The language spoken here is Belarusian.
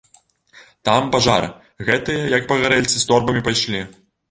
Там пажар, гэтыя, як пагарэльцы, з торбамі пайшлі.